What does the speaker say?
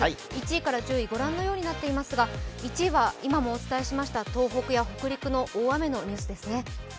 １位から１０位、御覧のようになっていますが１位は今もお伝えしました東北や北陸の大雨のニュースですね。